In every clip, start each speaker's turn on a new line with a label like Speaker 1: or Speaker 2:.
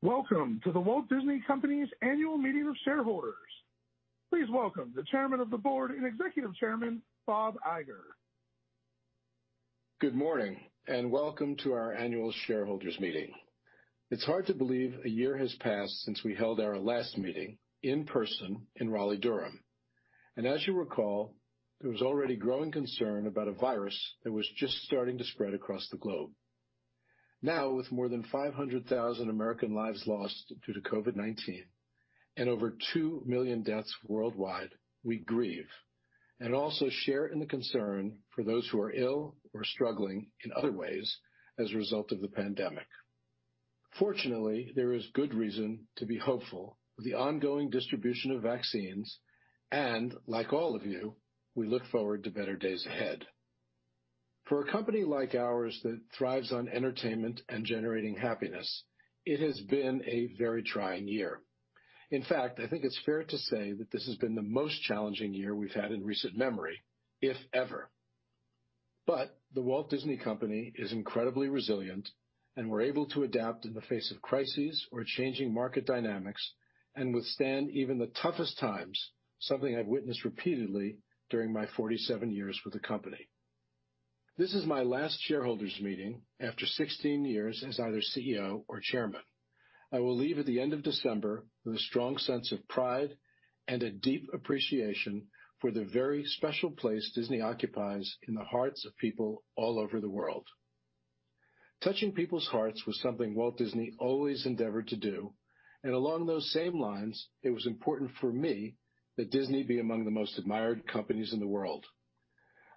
Speaker 1: Welcome to The Walt Disney Company's annual meeting of shareholders. Please welcome the Chairman of the Board and Executive Chairman, Bob Iger.
Speaker 2: Good morning, welcome to our Annual Shareholders Meeting. It's hard to believe a year has passed since we held our last meeting in person in Raleigh-Durham. As you recall, there was already growing concern about a virus that was just starting to spread across the globe. Now, with more than 500,000 American lives lost due to COVID-19 and over 2 million deaths worldwide, we grieve and also share in the concern for those who are ill or struggling in other ways as a result of the pandemic. Fortunately, there is good reason to be hopeful with the ongoing distribution of vaccines, and, like all of you, we look forward to better days ahead. For a company like ours that thrives on entertainment and generating happiness, it has been a very trying year. In fact, I think it's fair to say that this has been the most challenging year we've had in recent memory, if ever. The Walt Disney Company is incredibly resilient, and we're able to adapt in the face of crises or changing market dynamics and withstand even the toughest times, something I've witnessed repeatedly during my 47 years with the company. This is my last shareholders meeting after 16 years as either CEO or chairman. I will leave at the end of December with a strong sense of pride and a deep appreciation for the very special place Disney occupies in the hearts of people all over the world. Touching people's hearts was something Walt Disney always endeavored to do, and along those same lines, it was important for me that Disney be among the most admired companies in the world.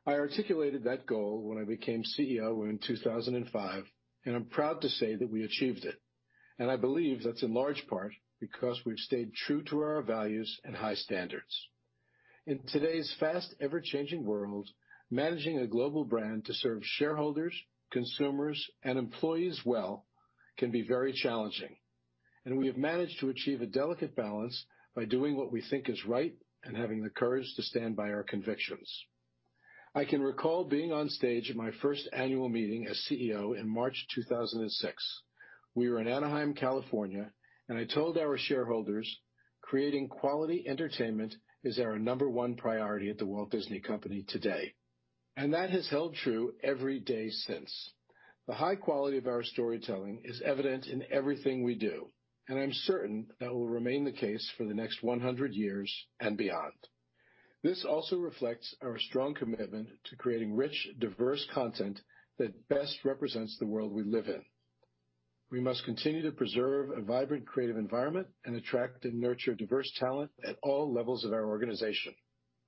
Speaker 2: I articulated that goal when I became CEO in 2005. I'm proud to say that we achieved it. I believe that's in large part because we've stayed true to our values and high standards. In today's fast, ever-changing world, managing a global brand to serve shareholders, consumers, and employees well can be very challenging. We have managed to achieve a delicate balance by doing what we think is right and having the courage to stand by our convictions. I can recall being on stage at my first annual meeting as CEO in March 2006. We were in Anaheim, California. I told our shareholders, "Creating quality entertainment is our number 1 priority at The Walt Disney Company today." That has held true every day since. The high quality of our storytelling is evident in everything we do, and I'm certain that will remain the case for the next 100 years and beyond. This also reflects our strong commitment to creating rich, diverse content that best represents the world we live in. We must continue to preserve a vibrant creative environment and attract and nurture diverse talent at all levels of our organization.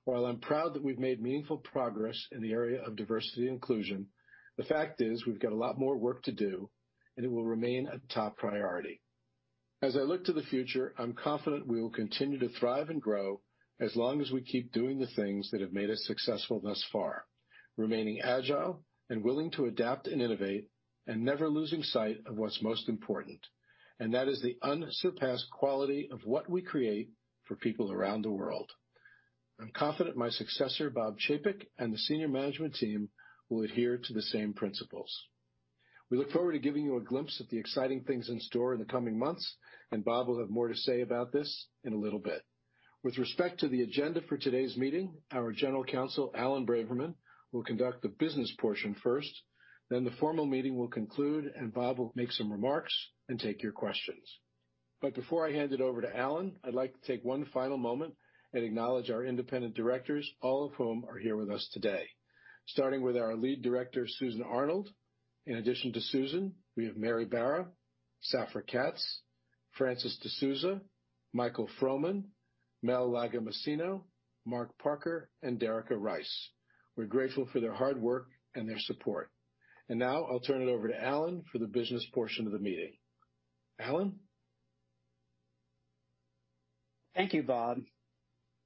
Speaker 2: While I'm proud that we've made meaningful progress in the area of diversity and inclusion, the fact is we've got a lot more work to do, and it will remain a top priority. As I look to the future, I'm confident we will continue to thrive and grow as long as we keep doing the things that have made us successful thus far, remaining agile and willing to adapt and innovate and never losing sight of what's most important. That is the unsurpassed quality of what we create for people around the world. I'm confident my successor, Bob Chapek, and the senior management team will adhere to the same principles. We look forward to giving you a glimpse at the exciting things in store in the coming months, and Bob will have more to say about this in a little bit. With respect to the agenda for today's meeting, our General Counsel, Alan Braverman, will conduct the business portion first, then the formal meeting will conclude, and Bob will make some remarks and take your questions. Before I hand it over to Alan, I'd like to take one final moment and acknowledge our independent directors, all of whom are here with us today. Starting with our Lead Director, Susan Arnold. In addition to Susan, we have Mary Barra, Safra Catz, Francis deSouza, Michael Froman, Mel Lagomasino, Mark Parker, and Derica Rice. We're grateful for their hard work and their support. Now I'll turn it over to Alan for the business portion of the meeting. Alan?
Speaker 3: Thank you, Bob.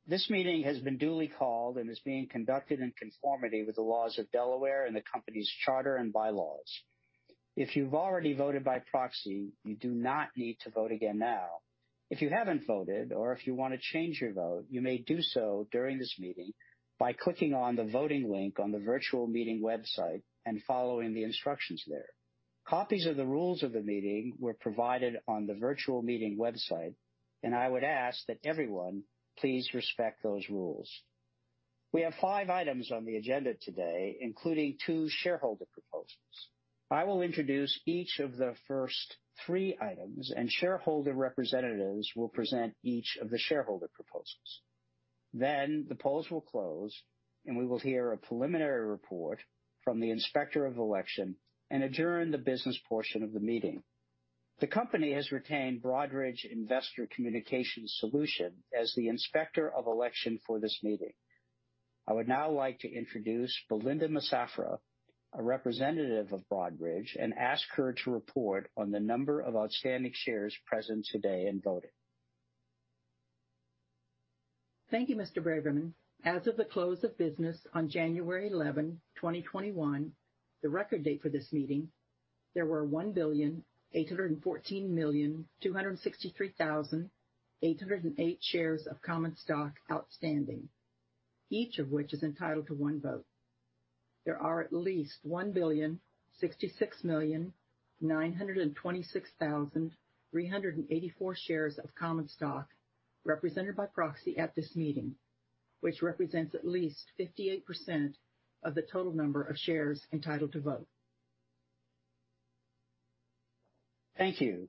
Speaker 3: This meeting has been duly called and is being conducted in conformity with the laws of Delaware and the company's charter and bylaws. If you've already voted by proxy, you do not need to vote again now. If you haven't voted or if you want to change your vote, you may do so during this meeting by clicking on the voting link on the virtual meeting website and following the instructions there. Copies of the rules of the meeting were provided on the virtual meeting website. I would ask that everyone please respect those rules. We have five items on the agenda today, including two shareholder proposals. I will introduce each of the first three items. Shareholder representatives will present each of the shareholder proposals. The polls will close. We will hear a preliminary report from the Inspector of Election and adjourn the business portion of the meeting. The company has retained Broadridge Investor Communication Solutions as the Inspector of Election for this meeting. I would now like to introduce Belinda Massafra, a representative of Broadridge, and ask her to report on the number of outstanding shares present today and voting.
Speaker 4: Thank you, Mr. Braverman. As of the close of business on January 11, 2021, the record date for this meeting, there were 1,814,263,808 shares of common stock outstanding, each of which is entitled to one vote. There are at least 1,066,926,384 shares of common stock represented by proxy at this meeting, which represents at least 58% of the total number of shares entitled to vote.
Speaker 3: Thank you.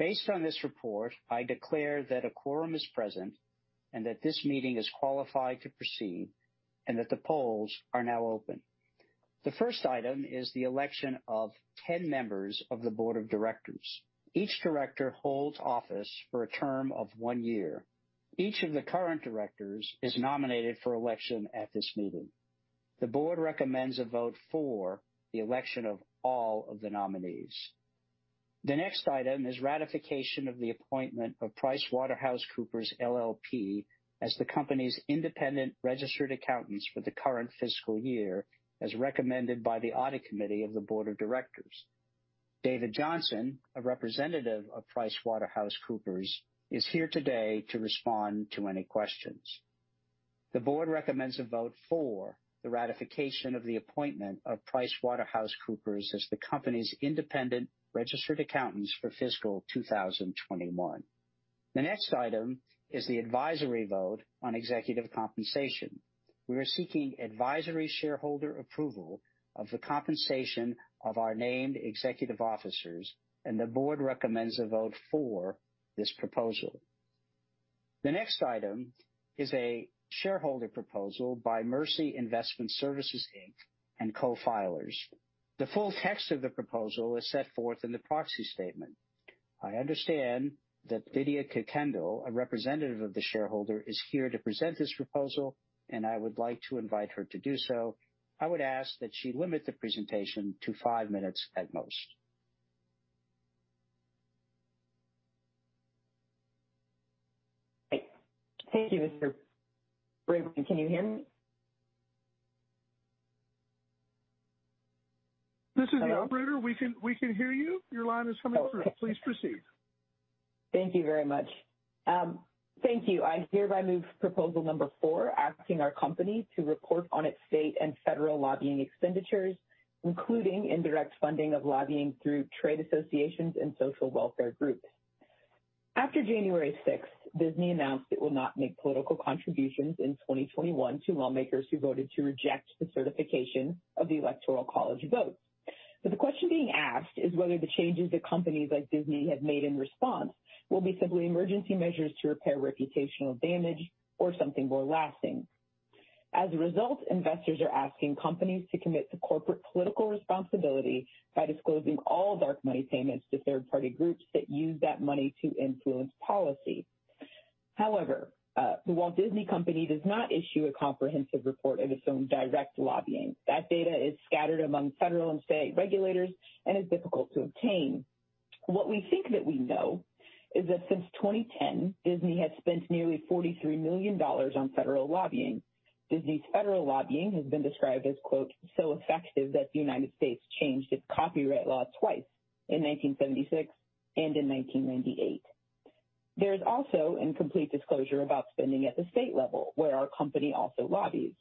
Speaker 3: Based on this report, I declare that a quorum is present and that this meeting is qualified to proceed and that the polls are now open. The first item is the election of 10 members of the board of directors. Each director holds office for a term of one year. Each of the current directors is nominated for election at this meeting. The board recommends a vote for the election of all of the nominees. The next item is ratification of the appointment of PricewaterhouseCoopers LLP as the company's independent registered accountants for the current fiscal year, as recommended by the audit committee of the board of directors. David Johnson, a representative of PricewaterhouseCoopers, is here today to respond to any questions. The board recommends a vote for the ratification of the appointment of PricewaterhouseCoopers as the company's independent registered accountants for fiscal 2021. The next item is the advisory vote on executive compensation. We are seeking advisory shareholder approval of the compensation of our named executive officers, and the board recommends a vote for this proposal. The next item is a shareholder proposal by Mercy Investment Services, Inc., and co-filers. The full text of the proposal is set forth in the proxy statement. I understand that Lydia Kuykendal, a representative of the shareholder, is here to present this proposal, and I would like to invite her to do so. I would ask that she limit the presentation to five minutes at most.
Speaker 5: Thank you, Mr. Braverman. Can you hear me?
Speaker 1: This is the operator. We can hear you. Your line is coming through. Please proceed.
Speaker 5: Thank you very much. Thank you. I hereby move Proposal 4, asking our company to report on its state and federal lobbying expenditures, including indirect funding of lobbying through trade associations and social welfare groups. After January 6th, The Walt Disney Company announced it will not make political contributions in 2021 to lawmakers who voted to reject the certification of the electoral college votes. The question being asked is whether the changes that companies like Disney have made in response will be simply emergency measures to repair reputational damage or something more lasting. As a result, investors are asking companies to commit to corporate political responsibility by disclosing all dark money payments to third-party groups that use that money to influence policy. However, The Walt Disney Company does not issue a comprehensive report of its own direct lobbying. That data is scattered among federal and state regulators and is difficult to obtain. What we think that we know is that since 2010, Disney has spent nearly $43 million on federal lobbying. Disney's federal lobbying has been described as, quote, "So effective that the United States changed its copyright law twice, in 1976 and in 1998." There is also incomplete disclosure about spending at the state level, where our company also lobbies.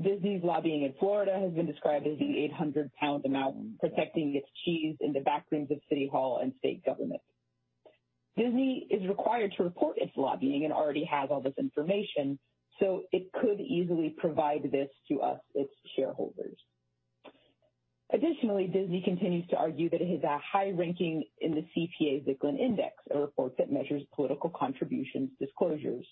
Speaker 5: Disney's lobbying in Florida has been described as the 800-pound gorilla protecting its cheese in the back rooms of city hall and state government. Disney is required to report its lobbying and already has all this information, so it could easily provide this to us, its shareholders. Additionally, Disney continues to argue that it has a high ranking in the CPA-Zicklin Index, a report that measures political contributions disclosures.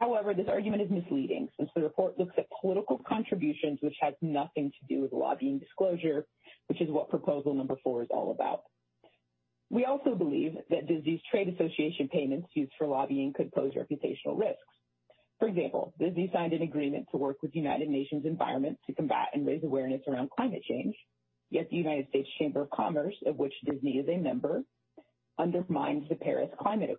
Speaker 5: However, this argument is misleading since the report looks at political contributions, which has nothing to do with lobbying disclosure, which is what proposal number four is all about. We also believe that Disney's trade association payments used for lobbying could pose reputational risks. For example, Disney signed an agreement to work with United Nations Environment to combat and raise awareness around climate change, yet the United States Chamber of Commerce, of which Disney is a member, undermines the Paris Agreement.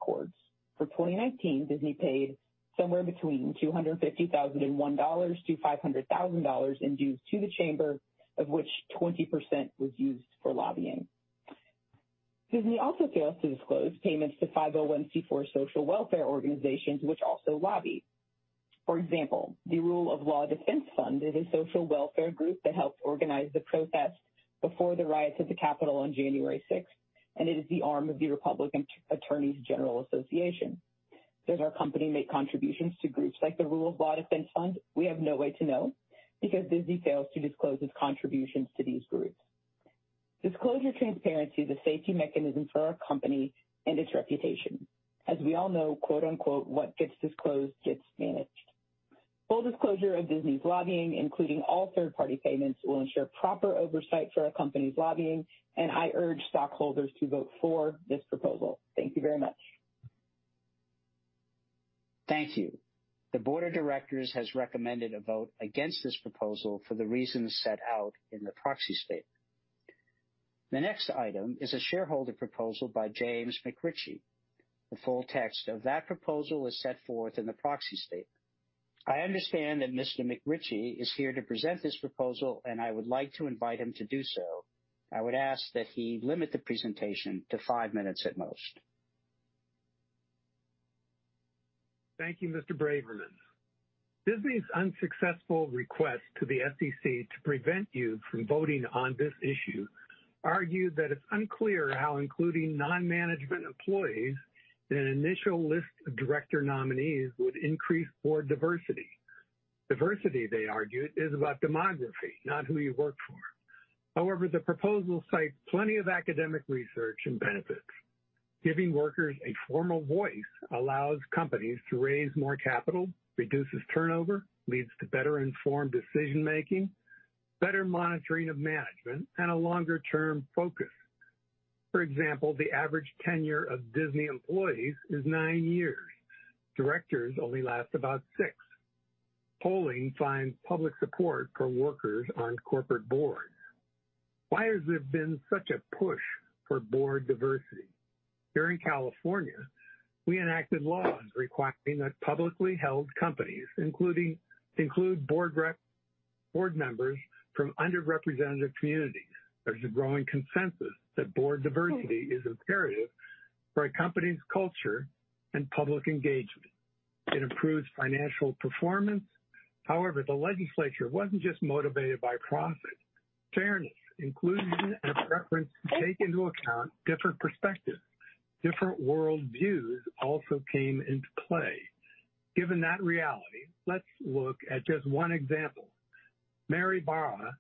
Speaker 5: For 2019, Disney paid somewhere between $250,001-$500,000 in dues to the chamber, of which 20% was used for lobbying. Disney also fails to disclose payments to 501(c)(4) social welfare organizations, which also lobby. For example, the Rule of Law Defense Fund is a social welfare group that helped organize the protest before the riot at the Capitol on January 6th, and it is the arm of the Republican Attorneys General Association. Does our company make contributions to groups like the Rule of Law Defense Fund? We have no way to know because Disney fails to disclose its contributions to these groups. Disclosure transparency is a safety mechanism for our company and its reputation. As we all know, quote, unquote, "What gets disclosed gets managed." Full disclosure of Disney's lobbying, including all third-party payments, will ensure proper oversight for our company's lobbying, and I urge stockholders to vote for this proposal. Thank you very much.
Speaker 3: Thank you. The board of directors has recommended a vote against this proposal for the reasons set out in the proxy statement. The next item is a shareholder proposal by James McRitchie. The full text of that proposal is set forth in the proxy statement. I understand that Mr. McRitchie is here to present this proposal, and I would like to invite him to do so. I would ask that he limit the presentation to five minutes at most.
Speaker 6: Thank you, Mr. Braverman. Disney's unsuccessful request to the SEC to prevent you from voting on this issue argued that it's unclear how including non-management employees in an initial list of director nominees would increase board diversity. Diversity, they argued, is about demography, not who you work for. The proposal cites plenty of academic research and benefits. Giving workers a formal voice allows companies to raise more capital, reduces turnover, leads to better-informed decision-making, better monitoring of management, and a longer-term focus. For example, the average tenure of Disney employees is nine years. Directors only last about six. Polling finds public support for workers on corporate boards. Why has there been such a push for board diversity? Here in California, we enacted laws requiring that publicly held companies include board members from underrepresented communities. There's a growing consensus that board diversity is imperative for a company's culture and public engagement. It improves financial performance. The legislature wasn't just motivated by profit. Fairness, inclusion, and a preference to take into account different perspectives, different worldviews also came into play. Given that reality, let's look at just one example. Mary Barra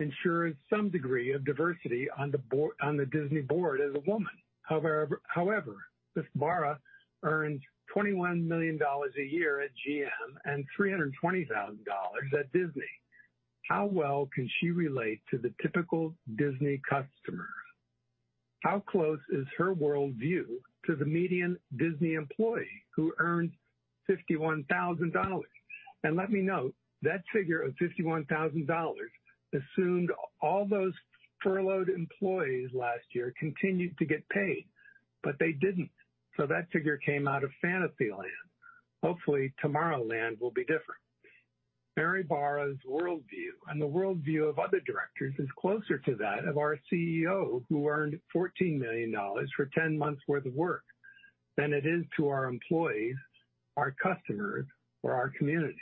Speaker 6: ensures some degree of diversity on the Disney board as a woman. Ms. Barra earns $21 million a year at GM and $320,000 at Disney. How well can she relate to the typical Disney customer? How close is her worldview to the median Disney employee, who earns $51,000? Let me note, that figure of $51,000 assumed all those furloughed employees last year continued to get paid, but they didn't. That figure came out of Fantasyland. Hopefully Tomorrowland will be different. Mary Barra's worldview and the worldview of other directors is closer to that of our CEO, who earned $14 million for 10 months worth of work, than it is to our employees, our customers, or our communities.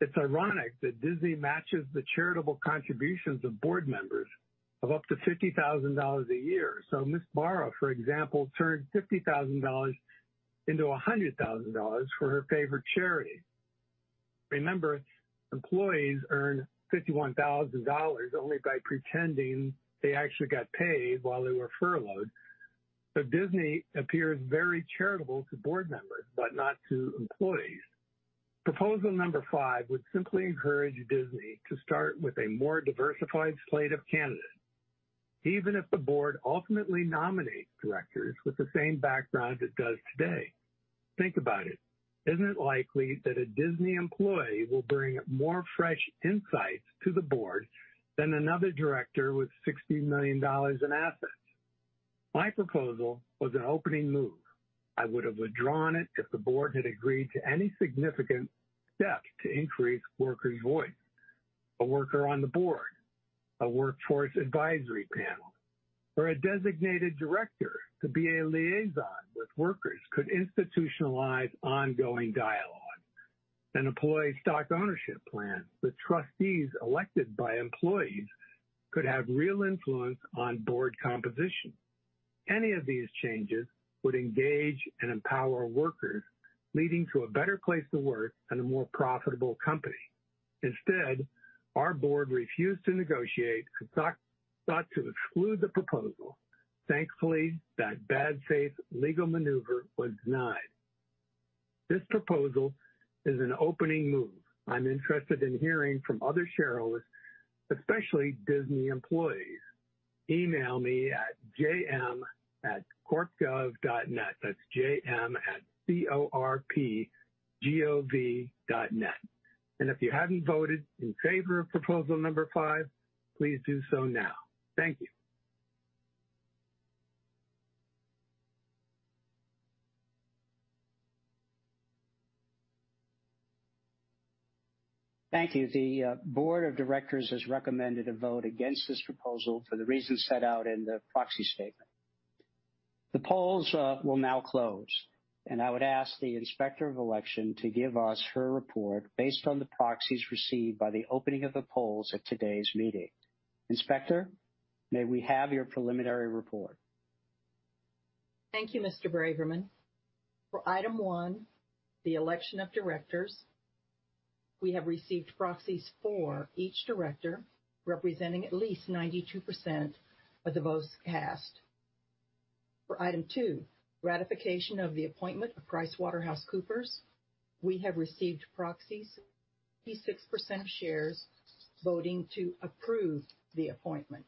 Speaker 6: It's ironic that Disney matches the charitable contributions of board members of up to $50,000 a year. Ms. Barra, for example, turned $50,000 into $100,000 for her favorite charity. Remember, employees earn $51,000 only by pretending they actually got paid while they were furloughed. Disney appears very charitable to board members, but not to employees. Proposal 5 would simply encourage Disney to start with a more diversified slate of candidates, even if the board ultimately nominates directors with the same background it does today. Think about it. Isn't it likely that a Disney employee will bring more fresh insights to the board than another director with $60 million in assets? My proposal was an opening move. I would have withdrawn it if the board had agreed to any significant step to increase workers' voice. A worker on the board, a workforce advisory panel, or a designated director to be a liaison with workers could institutionalize ongoing dialogue. An employee stock ownership plan with trustees elected by employees could have real influence on board composition. Any of these changes would engage and empower workers, leading to a better place to work and a more profitable company. Instead, our board refused to negotiate and sought to exclude the proposal. Thankfully, that bad faith legal maneuver was denied. This proposal is an opening move. I'm interested in hearing from other shareholders, especially Disney employees. Email me at J.M.@corpgov.net. That's J.M.@C-O-R-P-G-O-V.net. If you haven't voted in favor of Proposal 5, please do so now. Thank you.
Speaker 3: Thank you. The board of directors has recommended a vote against this proposal for the reasons set out in the proxy statement. The polls will now close, and I would ask the inspector of election to give us her report based on the proxies received by the opening of the polls at today's meeting. Inspector, may we have your preliminary report?
Speaker 4: Thank you, Mr. Braverman. For Item 1, the election of directors, we have received proxies for each director, representing at least 92% of the votes cast. For Item 2, ratification of the appointment of PricewaterhouseCoopers, we have received proxies, 86% of shares voting to approve the appointment.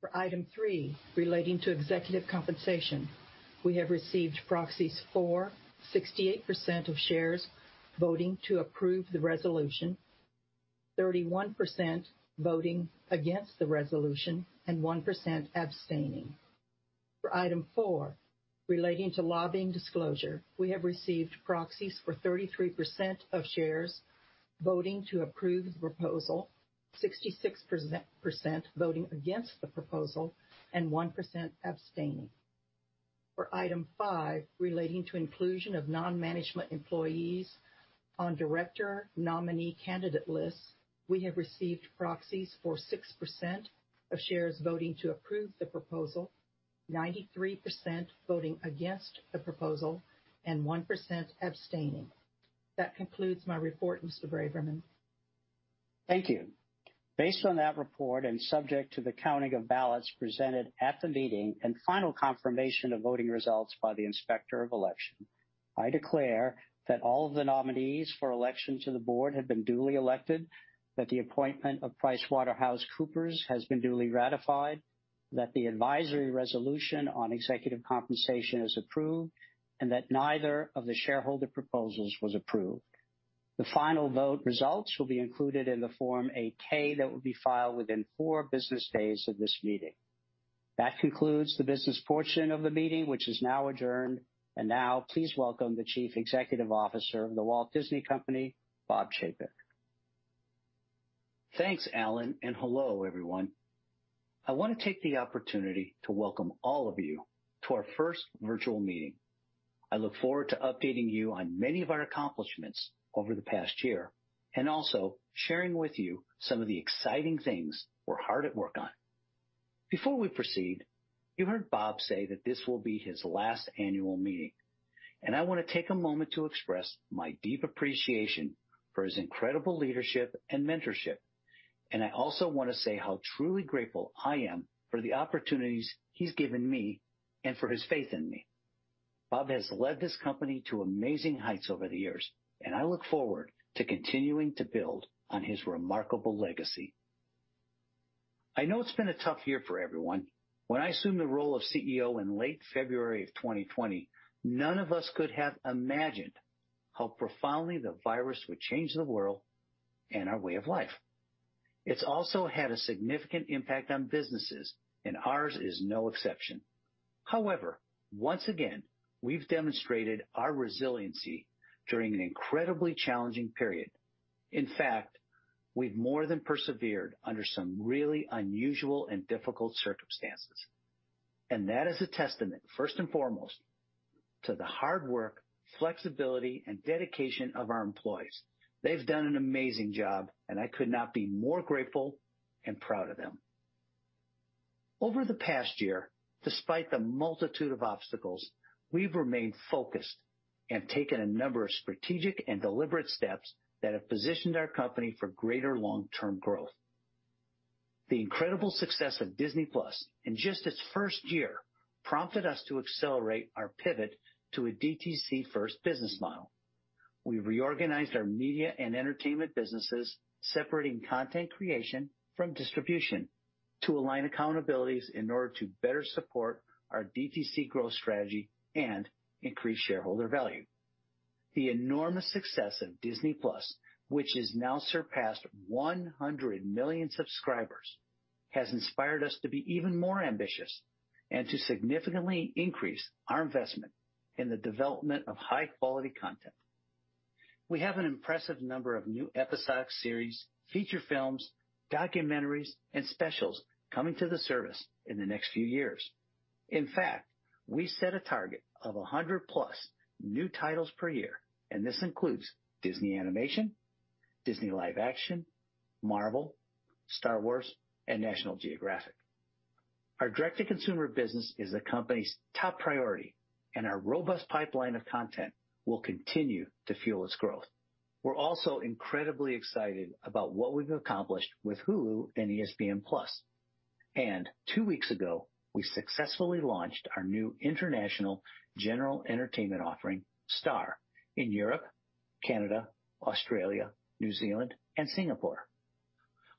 Speaker 4: For Item 3, relating to executive compensation, we have received proxies for 68% of shares voting to approve the resolution, 31% voting against the resolution, and 1% abstaining. For Item 4, relating to lobbying disclosure, we have received proxies for 33% of shares voting to approve the proposal, 66% voting against the proposal, and 1% abstaining. For Item 5, relating to inclusion of non-management employees on director nominee candidate lists, we have received proxies for 6% of shares voting to approve the proposal, 93% voting against the proposal, and 1% abstaining. That concludes my report, Mr. Braverman.
Speaker 3: Thank you. Based on that report and subject to the counting of ballots presented at the meeting and final confirmation of voting results by the Inspector of Election, I declare that all of the nominees for election to the board have been duly elected, that the appointment of PricewaterhouseCoopers has been duly ratified, that the advisory resolution on executive compensation is approved, and that neither of the shareholder proposals was approved. The final vote results will be included in the Form 8-K that will be filed within four business days of this meeting. That concludes the business portion of the meeting, which is now adjourned. Now please welcome the Chief Executive Officer of The Walt Disney Company, Bob Chapek.
Speaker 7: Thanks, Alan, and hello, everyone. I want to take the opportunity to welcome all of you to our first virtual meeting. I look forward to updating you on many of our accomplishments over the past year and also sharing with you some of the exciting things we're hard at work on. Before we proceed, you heard Bob say that this will be his last annual meeting, and I want to take a moment to express my deep appreciation for his incredible leadership and mentorship, and I also want to say how truly grateful I am for the opportunities he's given me and for his faith in me. Bob has led this company to amazing heights over the years, and I look forward to continuing to build on his remarkable legacy. I know it's been a tough year for everyone. When I assumed the role of CEO in late February of 2020, none of us could have imagined how profoundly the virus would change the world and our way of life. It's also had a significant impact on businesses. Ours is no exception. However, once again, we've demonstrated our resiliency during an incredibly challenging period. In fact, we've more than persevered under some really unusual and difficult circumstances. That is a testament, first and foremost, to the hard work, flexibility and dedication of our employees. They've done an amazing job, and I could not be more grateful and proud of them. Over the past year, despite the multitude of obstacles, we've remained focused and taken a number of strategic and deliberate steps that have positioned our company for greater long-term growth. The incredible success of Disney+ in just its first year prompted us to accelerate our pivot to a DTC-first business model. We reorganized our media and entertainment businesses, separating content creation from distribution to align accountabilities in order to better support our DTC growth strategy and increase shareholder value. The enormous success of Disney+, which has now surpassed 100 million subscribers, has inspired us to be even more ambitious and to significantly increase our investment in the development of high-quality content. We have an impressive number of new episodic series, feature films, documentaries, and specials coming to the service in the next few years. In fact, we set a target of 100-plus new titles per year, and this includes Disney Animation, Disney Live Action, Marvel, Star Wars, and National Geographic. Our direct-to-consumer business is the company's top priority, and our robust pipeline of content will continue to fuel its growth. We're also incredibly excited about what we've accomplished with Hulu and ESPN+. Two weeks ago, we successfully launched our new international general entertainment offering, Star, in Europe, Canada, Australia, New Zealand, and Singapore.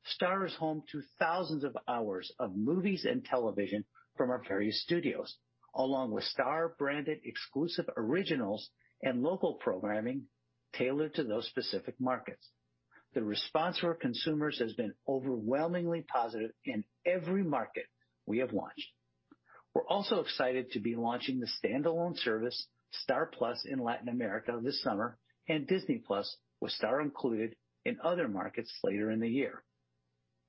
Speaker 7: Star is home to thousands of hours of movies and television from our various studios, along with Star-branded exclusive originals and local programming tailored to those specific markets. The response from our consumers has been overwhelmingly positive in every market we have launched. We're also excited to be launching the standalone service, Star+, in Latin America this summer, and Disney+ with Star included in other markets later in the year.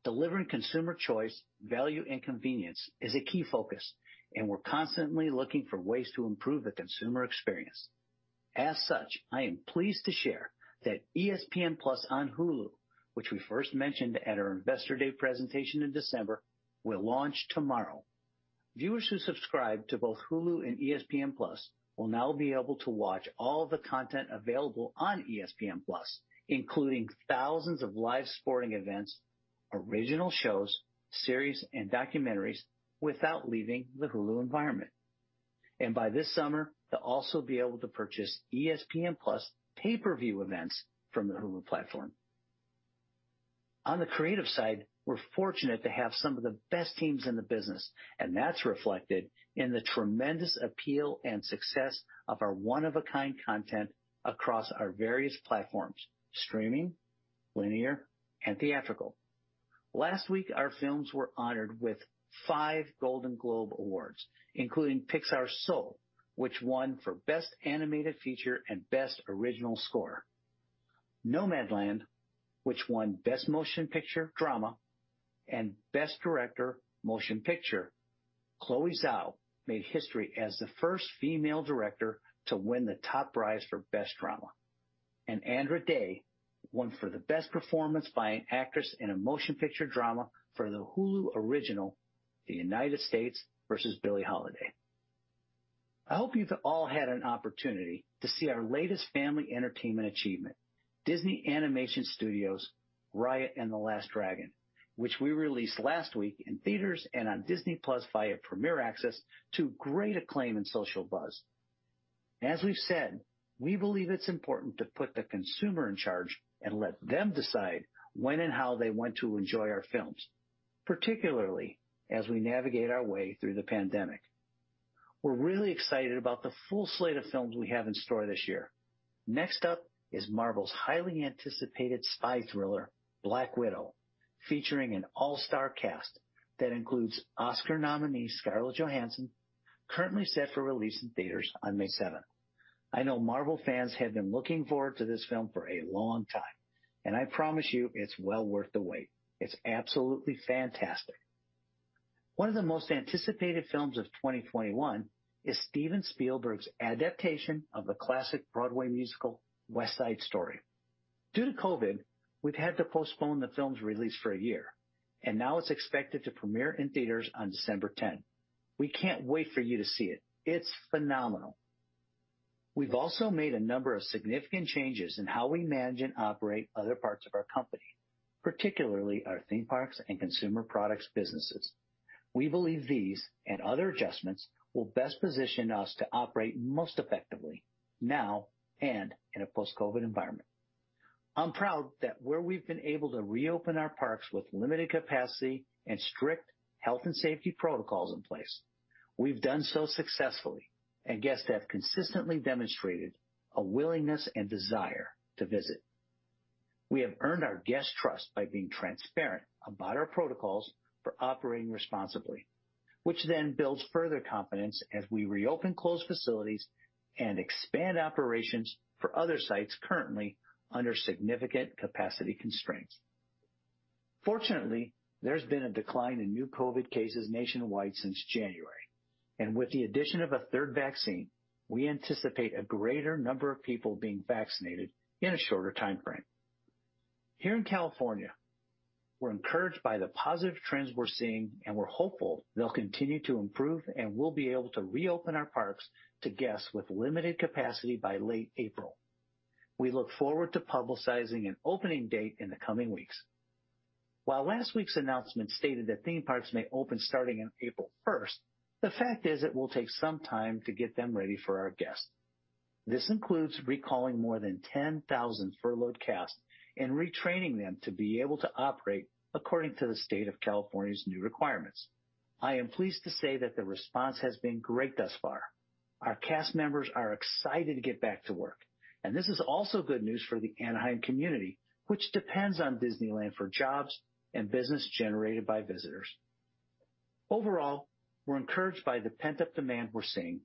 Speaker 7: Delivering consumer choice, value, and convenience is a key focus, and we're constantly looking for ways to improve the consumer experience. As such, I am pleased to share that ESPN+ on Hulu, which we first mentioned at our Investor Day presentation in December, will launch tomorrow. Viewers who subscribe to both Hulu and ESPN+ will now be able to watch all the content available on ESPN+, including thousands of live sporting events, original shows, series, and documentaries without leaving the Hulu environment. By this summer, they'll also be able to purchase ESPN+ pay-per-view events from the Hulu platform. On the creative side, we're fortunate to have some of the best teams in the business, and that's reflected in the tremendous appeal and success of our one-of-a-kind content across our various platforms, streaming, linear, and theatrical. Last week, our films were honored with five Golden Globe Awards, including Pixar's Soul, which won for Best Animated Feature and Best Original Score. Nomadland, which won Best Motion Picture Drama and Best Director Motion Picture. Chloé Zhao made history as the first female director to win the top prize for Best Drama. Andra Day won for the Best Performance by an Actress in a Motion Picture Drama for the Hulu original, The United States vs. Billie Holiday. I hope you've all had an opportunity to see our latest family entertainment achievement, Disney Animation Studios' Raya and the Last Dragon, which we released last week in theaters and on Disney+ via Premier Access to great acclaim and social buzz. As we've said, we believe it's important to put the consumer in charge and let them decide when and how they want to enjoy our films, particularly as we navigate our way through the pandemic. We're really excited about the full slate of films we have in store this year. Next up is Marvel's highly anticipated spy thriller, Black Widow, featuring an all-star cast that includes Oscar nominee Scarlett Johansson, currently set for release in theaters on May 7th. I know Marvel fans have been looking forward to this film for a long time, and I promise you it's well worth the wait. It's absolutely fantastic. One of the most anticipated films of 2021 is Steven Spielberg's adaptation of the classic Broadway musical, West Side Story. Due to COVID, we've had to postpone the film's release for a year, and now it's expected to premiere in theaters on December 10. We can't wait for you to see it. It's phenomenal. We've also made a number of significant changes in how we manage and operate other parts of our company, particularly our theme parks and consumer products businesses. We believe these and other adjustments will best position us to operate most effectively now and in a post-COVID environment. I'm proud that where we've been able to reopen our parks with limited capacity and strict health and safety protocols in place, we've done so successfully, and guests have consistently demonstrated a willingness and desire to visit. We have earned our guests' trust by being transparent about our protocols for operating responsibly, which then builds further confidence as we reopen closed facilities and expand operations for other sites currently under significant capacity constraints. Fortunately, there's been a decline in new COVID-19 cases nationwide since January. With the addition of a third vaccine, we anticipate a greater number of people being vaccinated in a shorter timeframe. Here in California, we're encouraged by the positive trends we're seeing, and we're hopeful they'll continue to improve, and we'll be able to reopen our parks to guests with limited capacity by late April. We look forward to publicizing an opening date in the coming weeks. While last week's announcement stated that theme parks may open starting on April 1st, the fact is it will take some time to get them ready for our guests. This includes recalling more than 10,000 furloughed cast and retraining them to be able to operate according to the State of California's new requirements. I am pleased to say that the response has been great thus far. Our cast members are excited to get back to work, and this is also good news for the Anaheim community, which depends on Disneyland for jobs and business generated by visitors. Overall, we're encouraged by the pent-up demand we're seeing,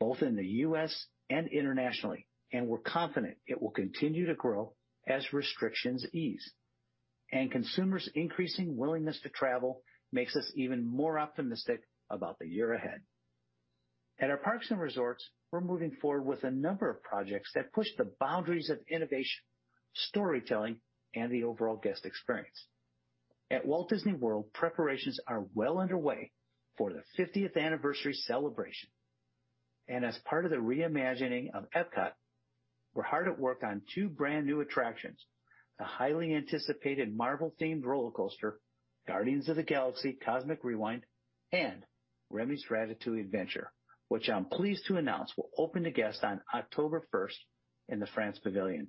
Speaker 7: both in the U.S. and internationally, and we're confident it will continue to grow as restrictions ease. Consumers' increasing willingness to travel makes us even more optimistic about the year ahead. At our parks and resorts, we're moving forward with a number of projects that push the boundaries of innovation, storytelling, and the overall guest experience. At Walt Disney World, preparations are well underway for the 50th anniversary celebration. As part of the re-imagining of Epcot, we're hard at work on two brand-new attractions, the highly anticipated Marvel-themed rollercoaster, Guardians of the Galaxy: Cosmic Rewind, and Remy's Ratatouille Adventure, which I'm pleased to announce will open to guests on October 1st in the France Pavilion.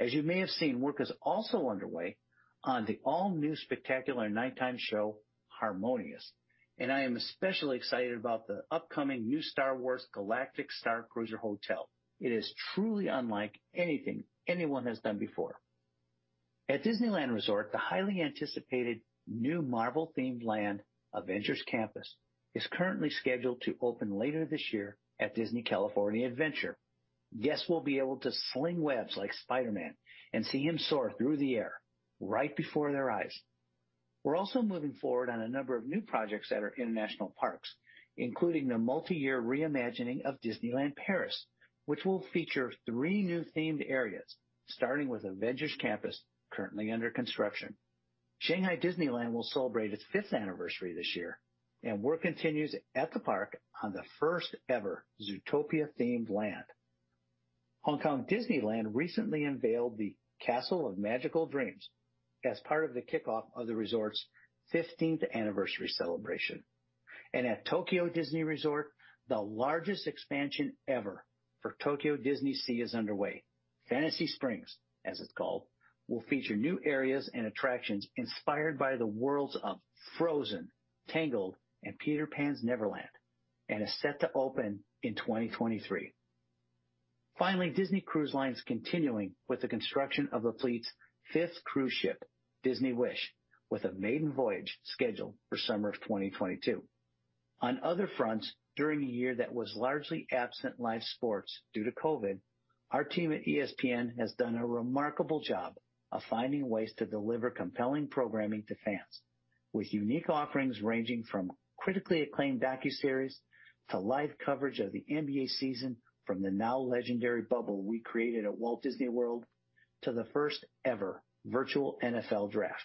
Speaker 7: As you may have seen, work is also underway on the all-new spectacular nighttime show, Harmonious, and I am especially excited about the upcoming new Star Wars: Galactic Starcruiser hotel. It is truly unlike anything anyone has done before. At Disneyland Resort, the highly anticipated new Marvel-themed land, Avengers Campus, is currently scheduled to open later this year at Disney California Adventure. Guests will be able to sling webs like Spider-Man and see him soar through the air right before their eyes. We're also moving forward on a number of new projects at our international parks, including the multi-year re-imagining of Disneyland Paris, which will feature three new themed areas, starting with Avengers Campus, currently under construction. Shanghai Disneyland will celebrate its fifth anniversary this year, and work continues at the park on the first-ever Zootopia-themed land. Hong Kong Disneyland recently unveiled the Castle of Magical Dreams as part of the kickoff of the resort's 15th-anniversary celebration. At Tokyo Disney Resort, the largest expansion ever for Tokyo DisneySea is underway. Fantasy Springs, as it's called, will feature new areas and attractions inspired by the worlds of Frozen, Tangled, and Peter Pan's Never Land and is set to open in 2023. Finally, Disney Cruise Line's continuing with the construction of the fleet's fifth cruise ship, Disney Wish, with a maiden voyage scheduled for summer of 2022. On other fronts, during a year that was largely absent live sports due to COVID, our team at ESPN has done a remarkable job of finding ways to deliver compelling programming to fans with unique offerings ranging from critically acclaimed docuseries to live coverage of the NBA season from the now legendary bubble we created at Walt Disney World to the first-ever virtual NFL draft.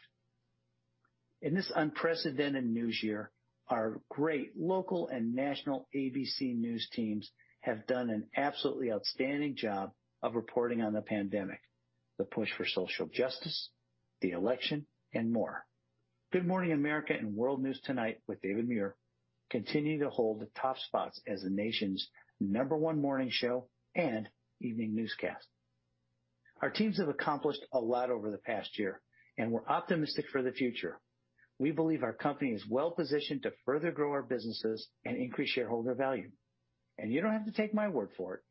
Speaker 7: In this unprecedented news year, our great local and national ABC News teams have done an absolutely outstanding job of reporting on the pandemic, the push for social justice, the election, and more. Good Morning America and World News Tonight with David Muir continue to hold the top spots as the nation's number one morning show and evening newscast. Our teams have accomplished a lot over the past year, and we're optimistic for the future. We believe our company is well-positioned to further grow our businesses and increase shareholder value. You don't have to take my word for it.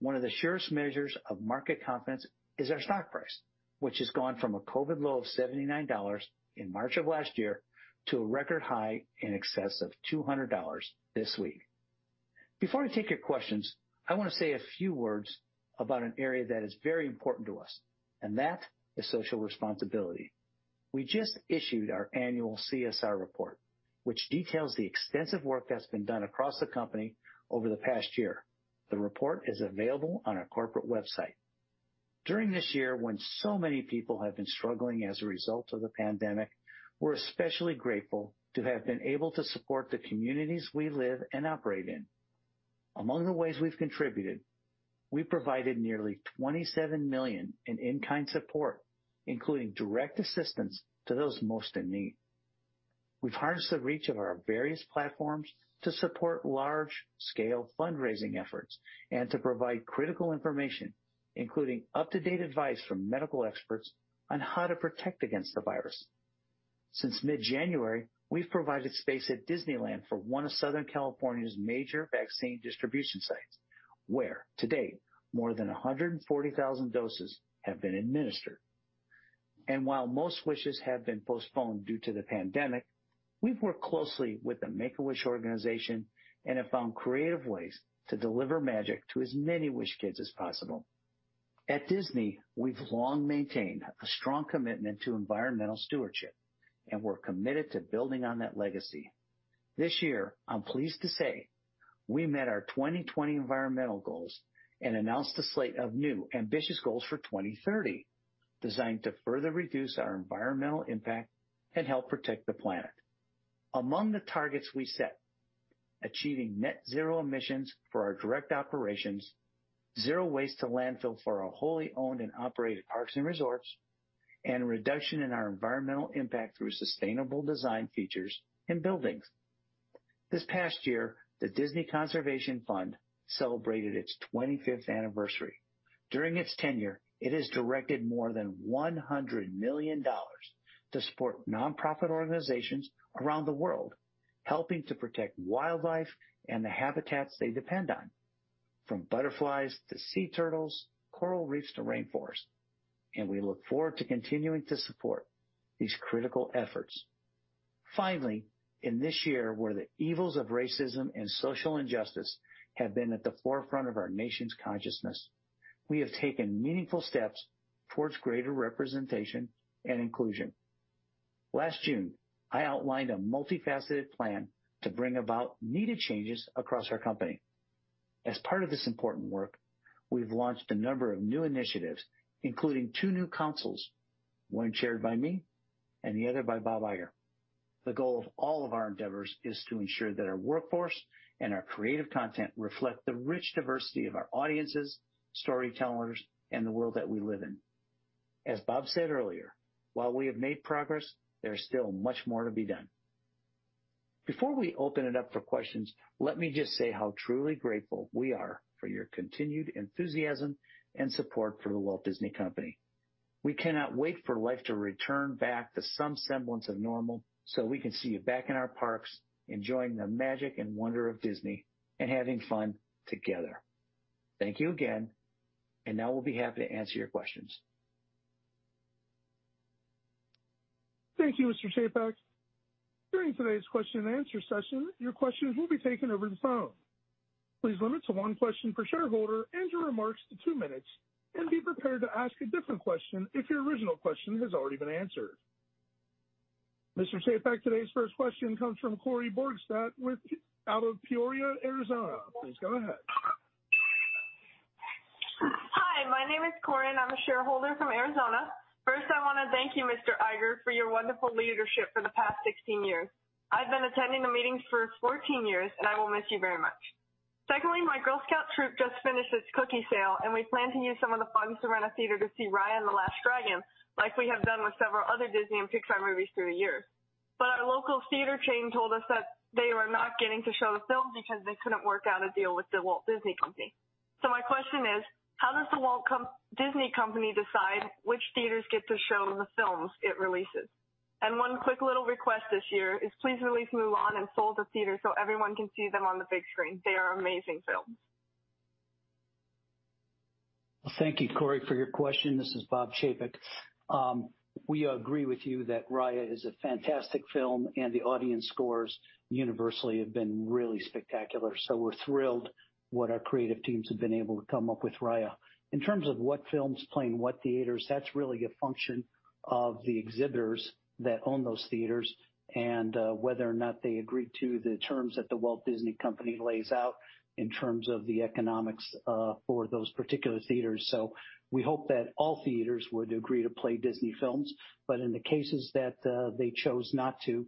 Speaker 7: One of the surest measures of market confidence is our stock price, which has gone from a COVID low of $79 in March of last year to a record high in excess of $200 this week. Before I take your questions, I want to say a few words about an area that is very important to us, and that is social responsibility. We just issued our annual CSR report, which details the extensive work that's been done across the company over the past year. The report is available on our corporate website. During this year when so many people have been struggling as a result of the pandemic, we're especially grateful to have been able to support the communities we live and operate in. Among the ways we've contributed, we provided nearly $27 million in in-kind support, including direct assistance to those most in need. We've harnessed the reach of our various platforms to support large-scale fundraising efforts and to provide critical information, including up-to-date advice from medical experts on how to protect against the virus. Since mid-January, we've provided space at Disneyland for one of Southern California's major vaccine distribution sites, where to date, more than 140,000 doses have been administered. While most wishes have been postponed due to the pandemic, we've worked closely with the Make-A-Wish Foundation and have found creative ways to deliver magic to as many Wish kids as possible. At Disney, we've long maintained a strong commitment to environmental stewardship, and we're committed to building on that legacy. This year, I'm pleased to say we met our 2020 environmental goals and announced a slate of new, ambitious goals for 2030, designed to further reduce our environmental impact and help protect the planet. Among the targets we set, achieving net zero emissions for our direct operations, zero waste to landfill for our wholly owned and operated parks and resorts, and a reduction in our environmental impact through sustainable design features in buildings. This past year, the Disney Conservation Fund celebrated its 25th anniversary. During its tenure, it has directed more than $100 million to support nonprofit organizations around the world, helping to protect wildlife and the habitats they depend on, from butterflies to sea turtles, coral reefs to rainforests, and we look forward to continuing to support these critical efforts. Finally, in this year where the evils of racism and social injustice have been at the forefront of our nation's consciousness, we have taken meaningful steps towards greater representation and inclusion. Last June, I outlined a multifaceted plan to bring about needed changes across our company. Part of this important work, we've launched a number of new initiatives, including two new councils, one chaired by me and the other by Bob Iger. The goal of all of our endeavors is to ensure that our workforce and our creative content reflect the rich diversity of our audiences, storytellers, and the world that we live in. Bob said earlier, while we have made progress, there's still much more to be done. Before we open it up for questions, let me just say how truly grateful we are for your continued enthusiasm and support for The Walt Disney Company. We cannot wait for life to return back to some semblance of normal so we can see you back in our parks, enjoying the magic and wonder of Disney and having fun together. Thank you again, now we'll be happy to answer your questions.
Speaker 1: Thank you, Mr. Chapek. During today's question-and-answer session, your questions will be taken over the phone. Please limit to one question per shareholder and your remarks to two minutes, and be prepared to ask a different question if your original question has already been answered. Mr. Chapek, today's first question comes from Cori Borgstadt out of Peoria, Arizona. Please go ahead.
Speaker 8: Hi, my name is Cori, and I'm a shareholder from Arizona. First, I want to thank you, Mr. Iger, for your wonderful leadership for the past 16 years. I've been attending the meetings for 14 years, and I will miss you very much. Secondly, my Girl Scout troop just finished its cookie sale, and we plan to use some of the funds to rent a theater to see Raya and the Last Dragon, like we have done with several other Disney and Pixar movies through the years. Our local theater chain told us that they were not getting to show the film because they couldn't work out a deal with The Walt Disney Company. My question is, how does The Walt Disney Company decide which theaters get to show the films it releases? One quick little request this year is please release Mulan and Soul to theaters so everyone can see them on the big screen. They are amazing films.
Speaker 7: Well, thank you, Cori, for your question. This is Bob Chapek. We agree with you that Raya is a fantastic film, and the audience scores universally have been really spectacular. We're thrilled what our creative teams have been able to come up with Raya. In terms of what films playing what theaters, that's really a function of the exhibitors that own those theaters and whether or not they agree to the terms that The Walt Disney Company lays out in terms of the economics for those particular theaters. We hope that all theaters would agree to play Disney films, but in the cases that they chose not to,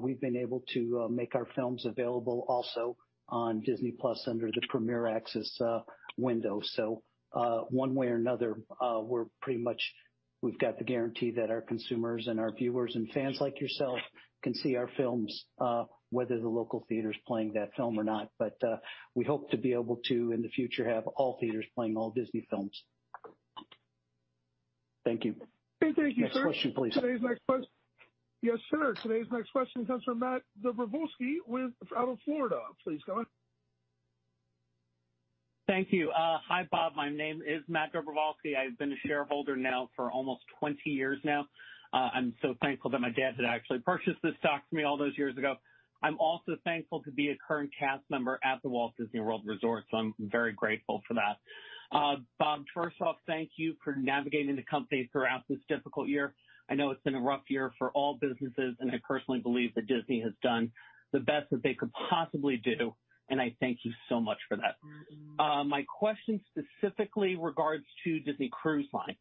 Speaker 7: we've been able to make our films available also on Disney+ under the Premier Access window. One way or another, we've got the guarantee that our consumers and our viewers and fans like yourself can see our films whether the local theater's playing that film or not. We hope to be able to, in the future, have all theaters playing all Disney films. Thank you.
Speaker 1: Okay. Thank you, sir.
Speaker 7: Next question, please.
Speaker 1: Yes, sir. Today's next question comes from Matt Dobrovolsky out of Florida. Please go ahead.
Speaker 9: Thank you. Hi, Bob. My name is Matt Dobrovolsky. I've been a shareholder now for almost 20 years now. I'm so thankful that my dad had actually purchased this stock for me all those years ago. I'm also thankful to be a current cast member at the Walt Disney World Resort, so I'm very grateful for that. Bob, first off, thank you for navigating the company throughout this difficult year. I know it's been a rough year for all businesses, and I personally believe that Disney has done the best that they could possibly do, and I thank you so much for that. My question specifically regards to Disney Cruise Line.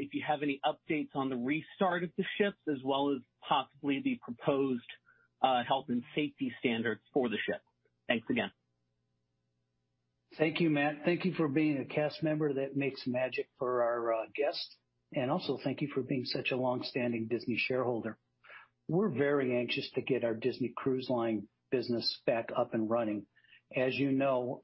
Speaker 9: If you have any updates on the restart of the ships as well as possibly the proposed health and safety standards for the ship? Thanks again.
Speaker 7: Thank you, Matt. Thank you for being a cast member that makes magic for our guests, and also thank you for being such a longstanding Disney shareholder. We're very anxious to get our Disney Cruise Line business back up and running. As you know,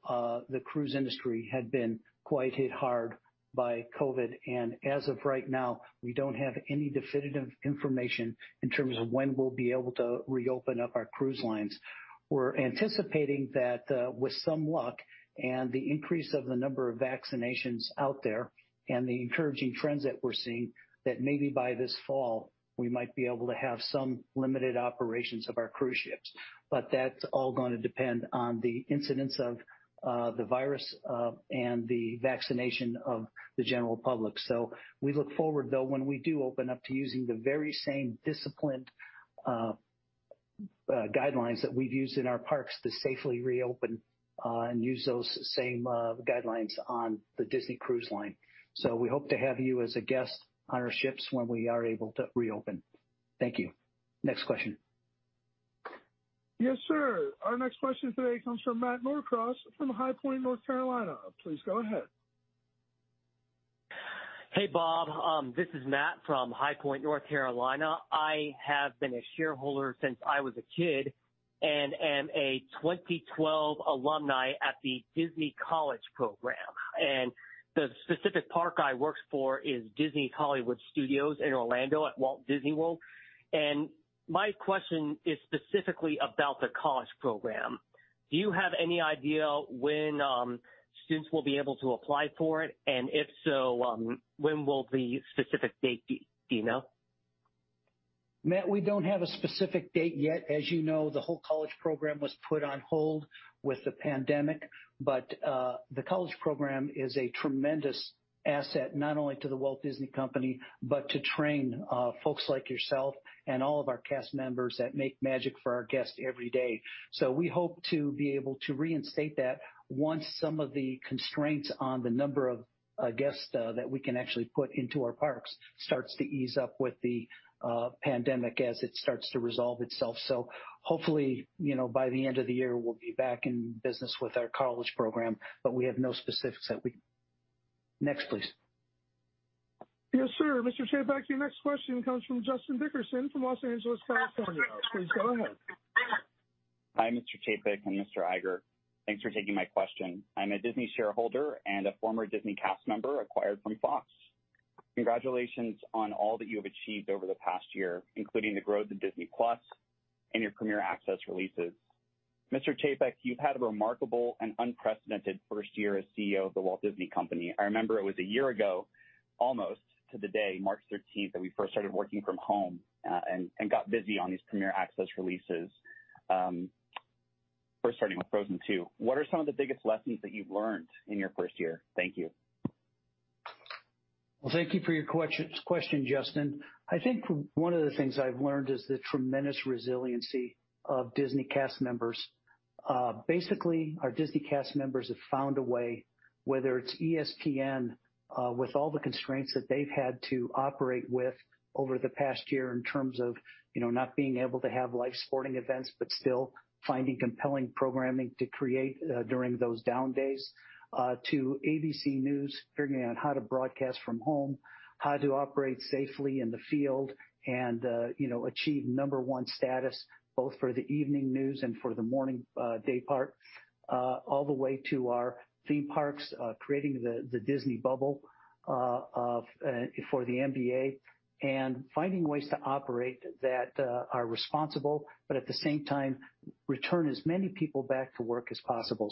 Speaker 7: the cruise industry had been quite hit hard by COVID, and as of right now, we don't have any definitive information in terms of when we'll be able to reopen up our cruise lines. We're anticipating that with some luck and the increase of the number of vaccinations out there and the encouraging trends that we're seeing, that maybe by this fall, we might be able to have some limited operations of our cruise ships, but that's all going to depend on the incidence of the virus and the vaccination of the general public. We look forward, though, when we do open up, to using the very same disciplined guidelines that we've used in our parks to safely reopen and use those same guidelines on the Disney Cruise Line. We hope to have you as a guest on our ships when we are able to reopen. Thank you. Next question.
Speaker 1: Yes, sir. Our next question today comes from Matt Norcross from High Point, North Carolina. Please go ahead.
Speaker 10: Hey, Bob. This is Matt from High Point, North Carolina. I have been a shareholder since I was a kid and am a 2012 alumni at the Disney College Program. The specific park I worked for is Disney's Hollywood Studios in Orlando at Walt Disney World, and my question is specifically about the College Program. Do you have any idea when students will be able to apply for it, and if so, when will the specific date be? Do you know?
Speaker 7: Matt, we don't have a specific date yet. As you know, the whole Disney College Program was put on hold with the pandemic. The Disney College Program is a tremendous asset, not only to The Walt Disney Company, but to train folks like yourself and all of our cast members that make magic for our guests every day. We hope to be able to reinstate that once some of the constraints on the number of guests that we can actually put into our parks starts to ease up with the pandemic as it starts to resolve itself. Hopefully, by the end of the year, we'll be back in business with our Disney College Program, but we have no specifics that we can give. Next, please.
Speaker 1: Yes, sir. Mr. Chapek, your next question comes from Justin Dickerson from Los Angeles, California. Please go ahead.
Speaker 11: Hi, Mr. Chapek and Mr. Iger. Thanks for taking my question. I'm a Disney shareholder and a former Disney cast member acquired from Fox. Congratulations on all that you have achieved over the past year, including the growth of Disney+ and your Premier Access releases. Mr. Chapek, you've had a remarkable and unprecedented first year as CEO of The Walt Disney Company. I remember it was a year ago, almost to the day, March 13th, that we first started working from home and got busy on these Premier Access releases first starting with Frozen 2. What are some of the biggest lessons that you've learned in your first year? Thank you.
Speaker 7: Well, thank you for your question, Justin. I think one of the things I've learned is the tremendous resiliency of Disney cast members. Basically, our Disney cast members have found a way, whether it's ESPN with all the constraints that they've had to operate with over the past year in terms of not being able to have live sporting events but still finding compelling programming to create during those down days, to ABC News figuring out how to broadcast from home, how to operate safely in the field and achieve number 1 status both for the evening news and for the morning day part, all the way to our theme parks creating the Disney bubble for the NBA and finding ways to operate that are responsible, but at the same time return as many people back to work as possible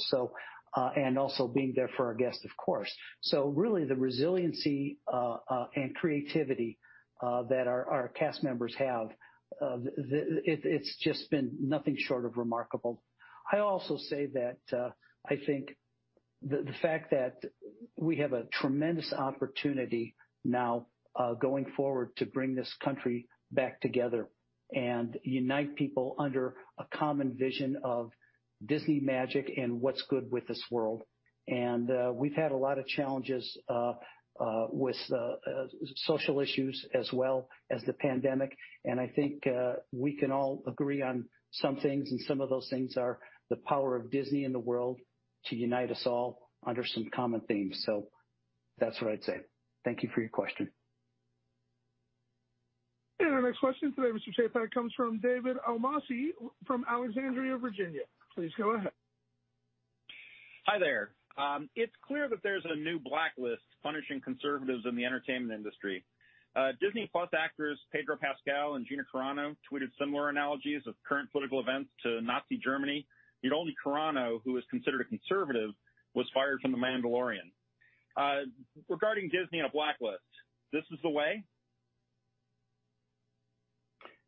Speaker 7: and also being there for our guests, of course. Really the resiliency and creativity that our cast members have, it's just been nothing short of remarkable. I also say that I think the fact that we have a tremendous opportunity now going forward to bring this country back together and unite people under a common vision of Disney magic and what's good with this world. We've had a lot of challenges with social issues as well as the pandemic, and I think we can all agree on some things, and some of those things are the power of Disney in the world to unite us all under some common themes. That's what I'd say. Thank you for your question.
Speaker 1: Our next question today, Mr. Chapek, comes from David Almasi from Alexandria, Virginia. Please go ahead.
Speaker 12: Hi there. It's clear that there's a new blacklist punishing conservatives in the entertainment industry. Disney+ actors Pedro Pascal and Gina Carano tweeted similar analogies of current political events to Nazi Germany, yet only Carano, who was considered a conservative, was fired from "The Mandalorian." Regarding Disney and a blacklist, this is the way?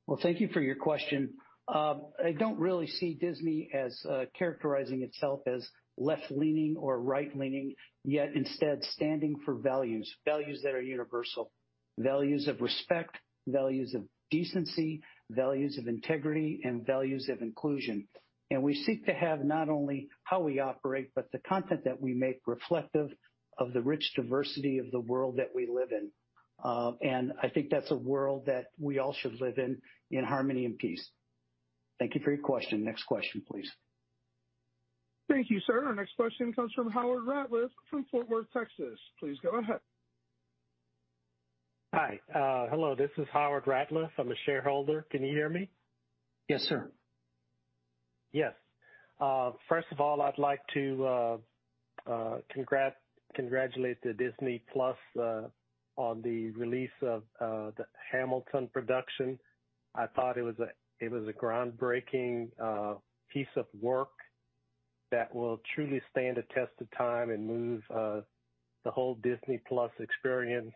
Speaker 7: Well, thank you for your question. I don't really see Disney as characterizing itself as left-leaning or right-leaning, yet instead standing for values that are universal, values of respect, values of decency, values of integrity, and values of inclusion. We seek to have not only how we operate, but the content that we make reflective of the rich diversity of the world that we live in. I think that's a world that we all should live in harmony and peace. Thank you for your question. Next question, please.
Speaker 1: Thank you, sir. Our next question comes from Howard Ratliff from Fort Worth, Texas. Please go ahead.
Speaker 13: Hi. Hello, this is Howard Ratliff. I'm a shareholder. Can you hear me?
Speaker 7: Yes, sir.
Speaker 13: Yes. First of all, I'd like to congratulate the Disney+ on the release of the "Hamilton" production. I thought it was a groundbreaking piece of work that will truly stand the test of time and move the whole Disney+ experience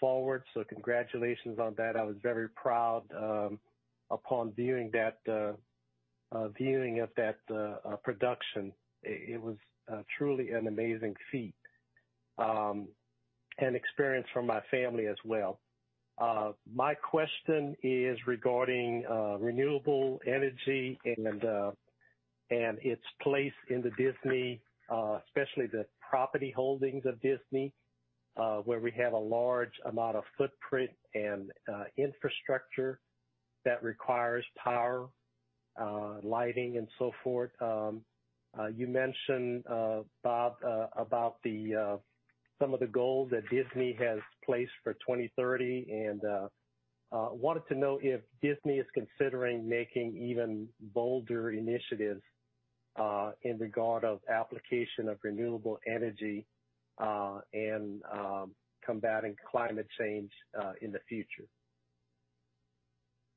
Speaker 13: forward. Congratulations on that. I was very proud upon viewing of that production. It was truly an amazing feat and experience for my family as well. My question is regarding renewable energy and its place in the Disney, especially the property holdings of Disney, where we have a large amount of footprint and infrastructure that requires power, lighting, and so forth. You mentioned, Bob, about some of the goals that Disney has placed for 2030 and I wanted to know if Disney is considering making even bolder initiatives in regard of application of renewable energy and combating climate change in the future.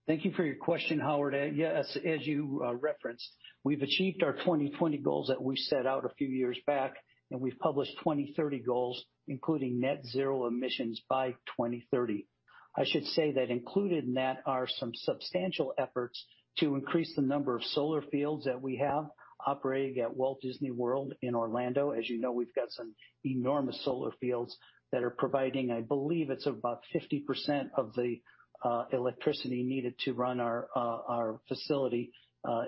Speaker 7: Thank you for your question, Howard, and yes, as you referenced, we've achieved our 2020 goals that we set out a few years back, and we've published 2030 goals, including net zero emissions by 2030. I should say that included in that are some substantial efforts to increase the number of solar fields that we have operating at Walt Disney World in Orlando. As you know, we've got some enormous solar fields that are providing, I believe it's about 50% of the electricity needed to run our facility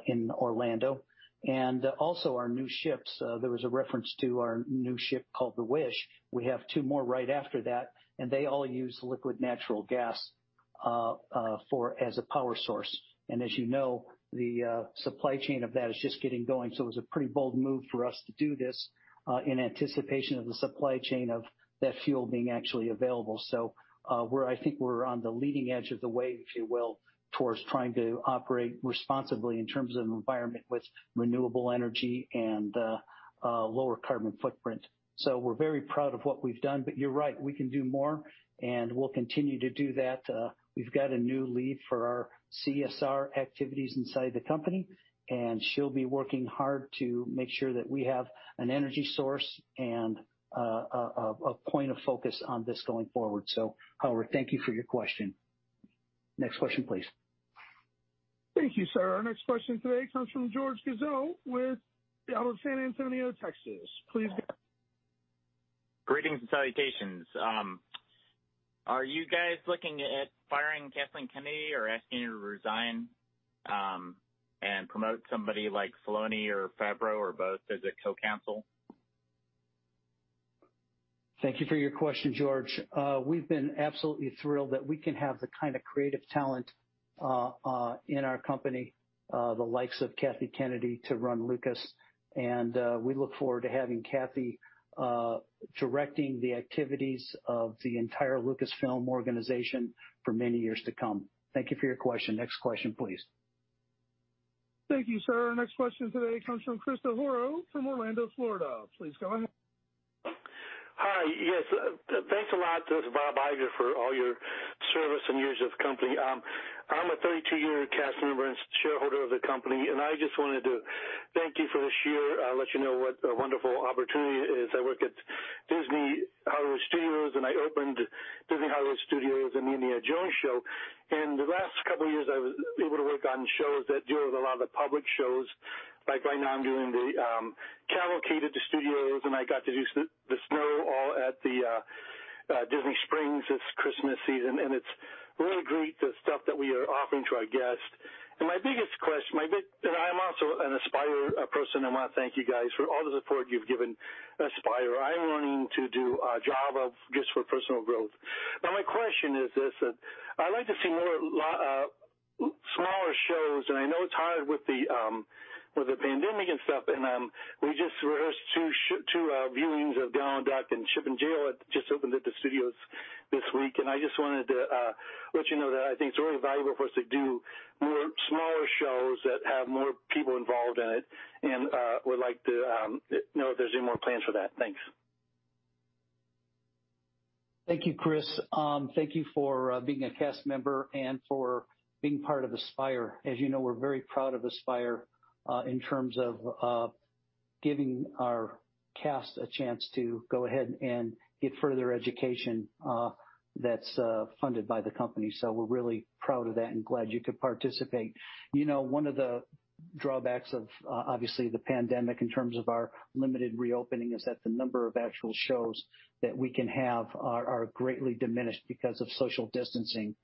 Speaker 7: in Orlando. Our new ships, there was a reference to our new ship called Disney Wish. We have two more right after that, and they all use liquid natural gas as a power source. As you know, the supply chain of that is just getting going, so it was a pretty bold move for us to do this in anticipation of the supply chain of that fuel being actually available. I think we're on the leading edge of the wave, if you will, towards trying to operate responsibly in terms of environment with renewable energy and lower carbon footprint. We're very proud of what we've done, but you're right, we can do more, and we'll continue to do that. We've got a new lead for our CSR activities inside the company, and she'll be working hard to make sure that we have an energy source and a point of focus on this going forward. Howard, thank you for your question. Next question, please.
Speaker 1: Thank you, sir. Our next question today comes from George Gazzo out of San Antonio, Texas. Please go ahead.
Speaker 14: Greetings and salutations. Are you guys looking at firing Kathleen Kennedy or asking her to resign and promote somebody like Filoni or Favreau or both as a co-counsel?
Speaker 7: Thank you for your question, George. We've been absolutely thrilled that we can have the kind of creative talent in our company, the likes of Kathy Kennedy to run Lucas, and we look forward to having Kathy directing the activities of the entire Lucasfilm organization for many years to come. Thank you for your question. Next question, please.
Speaker 1: Thank you, sir. Our next question today comes from Chris DeHoro from Orlando, Florida. Please go ahead.
Speaker 15: Hi. Yes, thanks a lot to Bob Iger for all your service and years with the company. I'm a 32-year cast member and shareholder of the company, and I just wanted to thank you for this year, let you know what a wonderful opportunity it is. I work at Disney's Hollywood Studios, and I opened Disney's Hollywood Studios, the Indiana Jones Show. The last couple of years, I was able to work on shows that deal with a lot of the public shows. Right now, I'm doing the cavalcade at the Studios, and I got to do the snow fall at the Disney Springs this Christmas season, and it's really great, the stuff that we are offering to our guests. I'm also an Aspire person, I want to thank you guys for all the support you've given Aspire. I'm wanting to do a job just for personal growth. My question is this: I like to see more smaller shows. I know it's hard with the pandemic and stuff. We just rehearsed two viewings of Donald Duck and Chip and Dale that just opened at the studios this week. I just wanted to let you know that I think it's really valuable for us to do more smaller shows that have more people involved in it and would like to know if there's any more plans for that. Thanks.
Speaker 7: Thank you, Chris. Thank you for being a cast member and for being part of Disney Aspire. As you know, we're very proud of Disney Aspire in terms of giving our cast a chance to go ahead and get further education that's funded by the company. We're really proud of that and glad you could participate. One of the drawbacks of, obviously, the pandemic in terms of our limited reopening is that the number of actual shows that we can have are greatly diminished because of social distancing.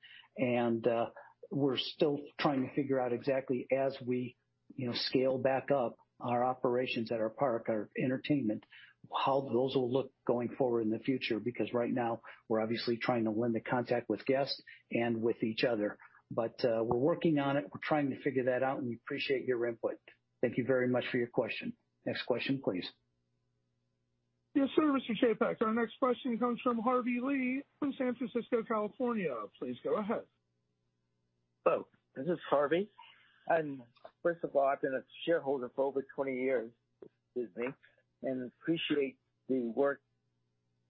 Speaker 7: We're still trying to figure out exactly as we scale back up our operations at our park, our entertainment, how those will look going forward in the future, because right now, we're obviously trying to limit contact with guests and with each other. We're working on it. We're trying to figure that out, and we appreciate your input. Thank you very much for your question. Next question, please.
Speaker 1: Yes, sir, Mr. Chapek. Our next question comes from Harvey Lee from San Francisco, California. Please go ahead.
Speaker 16: Hello, this is Harvey. First of all, I've been a shareholder for over 20 years with Disney and appreciate the work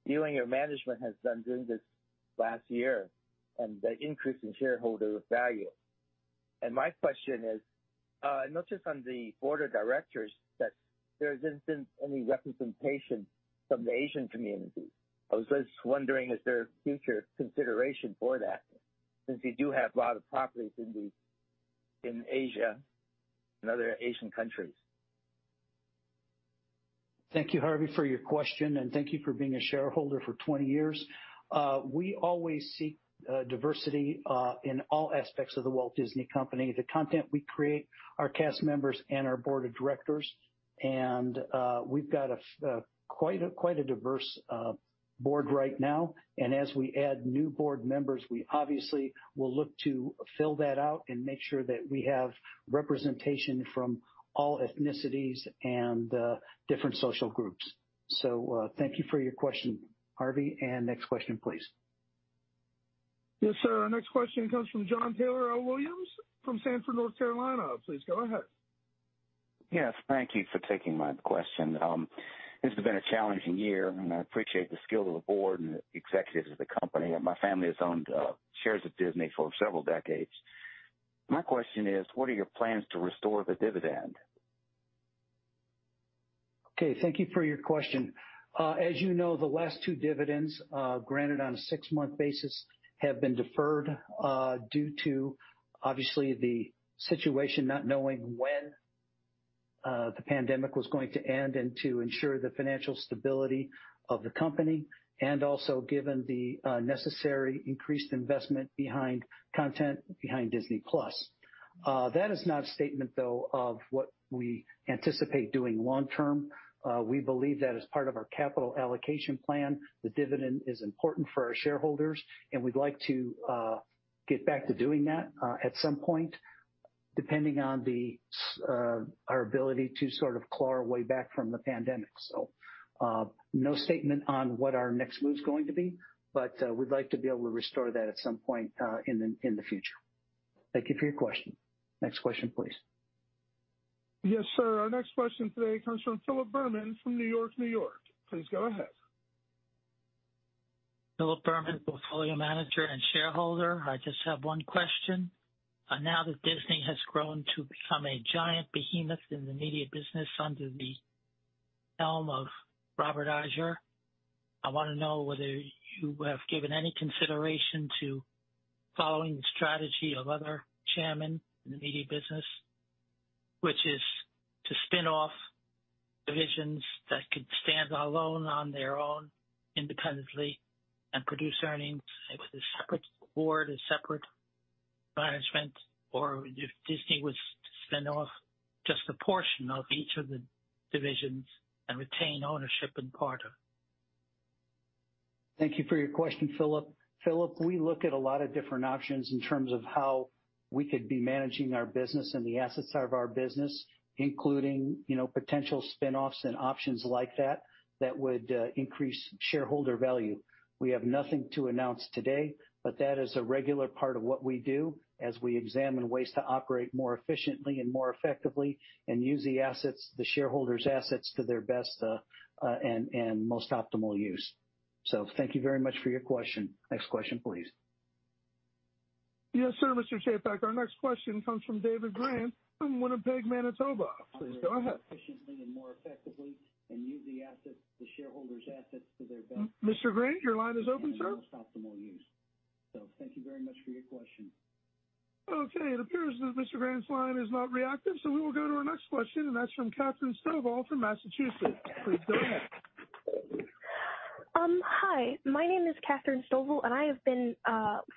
Speaker 16: you and your management has done during this last year and the increase in shareholder value. My question is, I noticed on the board of directors that there isn't any representation from the Asian community. I was just wondering, is there future consideration for that since you do have a lot of properties in Asia and other Asian countries?
Speaker 7: Thank you, Harvey, for your question. Thank you for being a shareholder for 20 years. We always seek diversity in all aspects of The Walt Disney Company, the content we create, our cast members, and our board of directors. We've got quite a diverse board right now. As we add new board members, we obviously will look to fill that out and make sure that we have representation from all ethnicities and different social groups. Thank you for your question, Harvey. Next question, please.
Speaker 1: Yes, sir. Our next question comes from John Taylor L. Williams from Sanford, North Carolina. Please go ahead.
Speaker 17: Yes. Thank you for taking my question. This has been a challenging year, and I appreciate the skill of the board and the executives of the company. My family has owned shares of Disney for several decades. My question is, what are your plans to restore the dividend?
Speaker 7: Okay. Thank you for your question. As you know, the last two dividends, granted on a six-month basis, have been deferred due to, obviously, the situation, not knowing when the pandemic was going to end and to ensure the financial stability of the company, and also given the necessary increased investment behind content behind Disney+. That is not a statement, though, of what we anticipate doing long term. We believe that as part of our capital allocation plan, the dividend is important for our shareholders, and we'd like to get back to doing that at some point, depending on our ability to claw our way back from the pandemic. No statement on what our next move's going to be, but we'd like to be able to restore that at some point in the future. Thank you for your question. Next question, please.
Speaker 1: Yes, sir. Our next question today comes from Philip Berman from New York, New York. Please go ahead.
Speaker 18: Philip Berman, portfolio manager and shareholder. I just have one question. Now that Disney has grown to become a giant behemoth in the media business under the helm of Robert Iger, I want to know whether you have given any consideration to following the strategy of other chairmen in the media business, which is to spin off divisions that could stand alone on their own independently and produce earnings with a separate board, a separate management, or if Disney was to spin off just a portion of each of the divisions and retain ownership in part of?
Speaker 7: Thank you for your question, Philip. Philip, we look at a lot of different options in terms of how we could be managing our business and the assets of our business, including potential spinoffs and options like that would increase shareholder value. We have nothing to announce today, but that is a regular part of what we do as we examine ways to operate more efficiently and more effectively and use the shareholders' assets to their best and most optimal use. Thank you very much for your question. Next question, please.
Speaker 1: Yes, sir. Mr. Chapek, our next question comes from David Grant from Winnipeg, Manitoba. Please go ahead. Mr. Grant, your line is open, sir. It appears that Mr. Grant's line is not reactive, so we will go to our next question, and that's from Katherine Stovall from Massachusetts. Please go ahead.
Speaker 19: Hi, my name is Katherine Stovall. I have been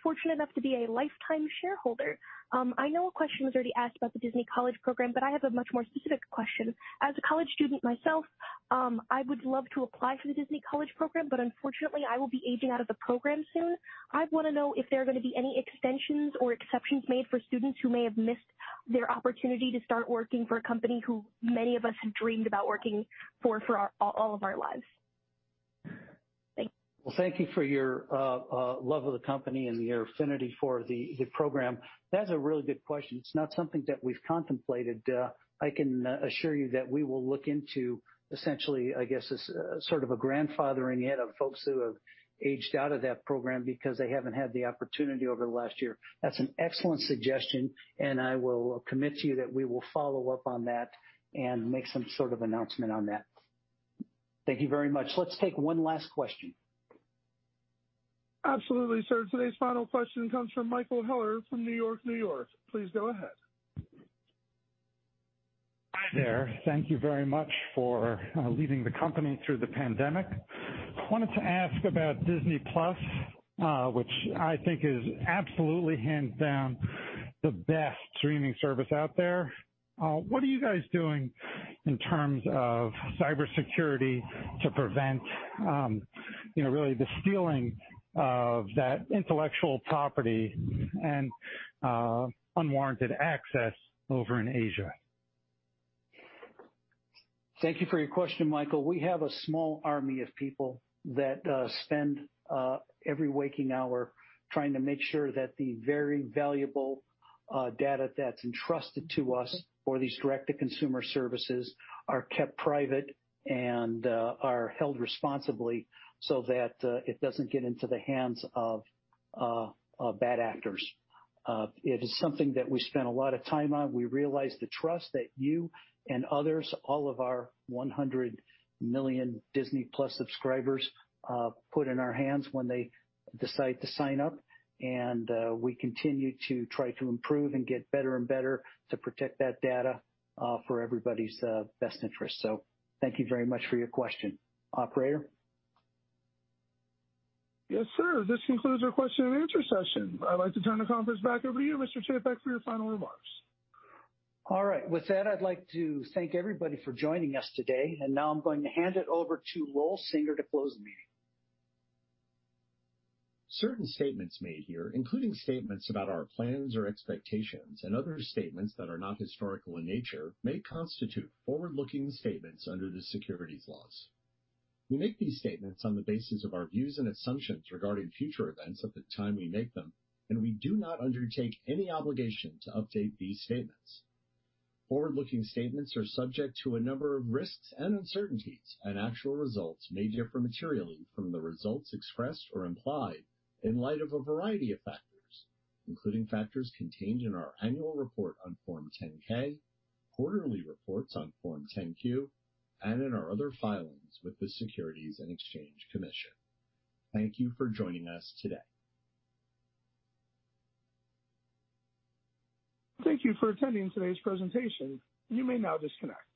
Speaker 19: fortunate enough to be a lifetime shareholder. I know a question was already asked about the Disney College Program. I have a much more specific question. As a college student myself, I would love to apply for the Disney College Program. Unfortunately, I will be aging out of the program soon. I want to know if there are going to be any extensions or exceptions made for students who may have missed their opportunity to start working for a company who many of us have dreamed about working for all of our lives. Thank you.
Speaker 7: Well, thank you for your love of the company and your affinity for the program. That's a really good question. It's not something that we've contemplated. I can assure you that we will look into essentially, I guess, a sort of a grandfathering in of folks who have aged out of that program because they haven't had the opportunity over the last year. That's an excellent suggestion, and I will commit to you that we will follow up on that and make some sort of announcement on that. Thank you very much. Let's take one last question.
Speaker 1: Absolutely, sir. Today's final question comes from Michael Heller from New York, New York. Please go ahead.
Speaker 20: Hi there. Thank you very much for leading the company through the pandemic. I wanted to ask about Disney+, which I think is absolutely hands down the best streaming service out there. What are you guys doing in terms of cybersecurity to prevent really the stealing of that intellectual property and unwarranted access over in Asia?
Speaker 7: Thank you for your question, Michael. We have a small army of people that spend every waking hour trying to make sure that the very valuable data that is entrusted to us for these direct-to-consumer services are kept private and are held responsibly so that it does not get into the hands of bad actors. It is something that we spend a lot of time on. We realize the trust that you and others, all of our 100 million Disney+ subscribers, put in our hands when they decide to sign up. We continue to try to improve and get better and better to protect that data for everybody's best interest. Thank you very much for your question. Operator?
Speaker 1: Yes, sir. This concludes our question and answer session. I'd like to turn the conference back over to you, Mr. Chapek, for your final remarks.
Speaker 7: All right. With that, I'd like to thank everybody for joining us today, and now I'm going to hand it over to Lowell Singer to close the meeting.
Speaker 21: Certain statements made here, including statements about our plans or expectations, and other statements that are not historical in nature, may constitute forward-looking statements under the securities laws. We make these statements on the basis of our views and assumptions regarding future events at the time we make them, and we do not undertake any obligation to update these statements. Forward-looking statements are subject to a number of risks and uncertainties, and actual results may differ materially from the results expressed or implied in light of a variety of factors, including factors contained in our annual report on Form 10-K, quarterly reports on Form 10-Q, and in our other filings with the Securities and Exchange Commission. Thank you for joining us today.
Speaker 1: Thank you for attending today's presentation. You may now disconnect.